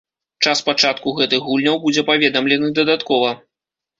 Час пачатку гэтых гульняў будзе паведамлены дадаткова.